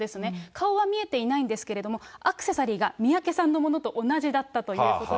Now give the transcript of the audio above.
顔は見えていないんですけれども、アクセサリーが三宅さんのものと同じだったということで。